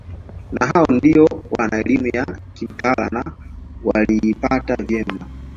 Na hao ndio wana elimu ya kimtaala na waliipata vyema